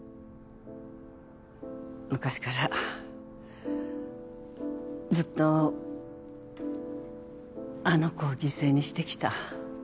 昔からずっとあの子を犠牲にしてきた。